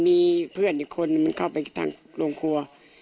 มีเพื่อนอีกคนนึงเข้าไปทางโรงครัว